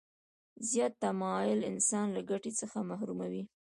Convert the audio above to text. زیات تماعل انسان له ګټې څخه محروموي.